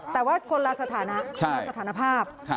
แต่ว่าคนละสถานะละสถานภาพ